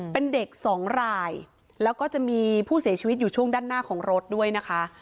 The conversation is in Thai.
เป็นเด็กสองรายแล้วก็จะมีผู้เสียชีวิตอยู่ช่วงด้านหน้าของรถด้วยนะคะ